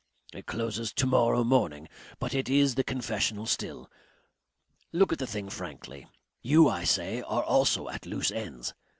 It closes to morrow morning but it is the confessional still. Look at the thing frankly. You, I say, are also at loose ends.